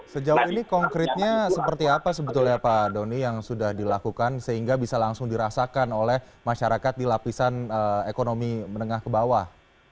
sejauh ini konkretnya seperti apa sebetulnya pak doni yang sudah dilakukan sehingga bisa langsung dirasakan oleh masyarakat di lapisan ekonomi menengah ke bawah